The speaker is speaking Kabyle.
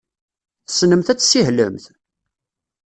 Tessnemt ad tessihlemt?